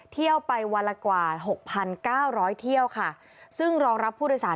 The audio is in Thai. เที่ยวไปวันละกว่า๖๙๐๐เที่ยวค่ะ